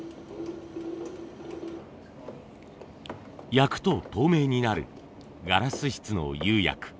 焼くと透明になるガラス質の釉薬。